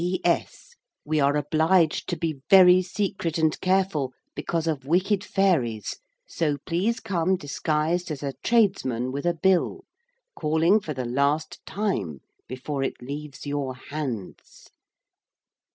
'P.S. We are obliged to be very secret and careful because of wicked fairies, so please come disguised as a tradesman with a bill, calling for the last time before it leaves your hands.'